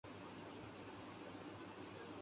جو یہاں کے طبعی حسن کو دوبالا کر دیتے ہیں